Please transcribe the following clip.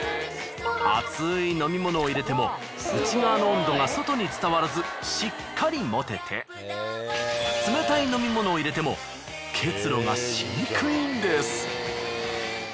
熱い飲み物を入れても内側の温度が外に伝わらずしっかり持てて冷たい飲み物を入れても結露がしにくいんです。